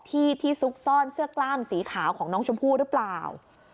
ที่ที่ซุกซ่อนเสื้อกล้ามสีขาวของน้องชมพู่หรือเปล่า